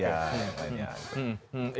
ya lainnya gitu